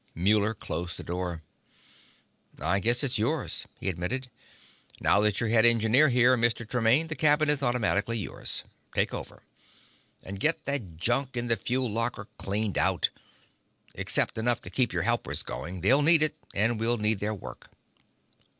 Muller closed the door. "I guess it's yours," he admitted. "Now that you're head engineer here, Mr. Tremaine, the cabin is automatically yours. Take over. And get that junk in the fuel locker cleaned out except enough to keep your helpers going. They'll need it, and we'll need their work."